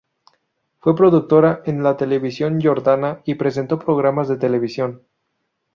Fue productora en la televisión jordana y presentó programas de televisión.